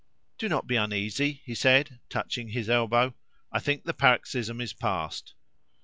"Do not be uneasy," he said, touching his elbow; "I think the paroxysm is past."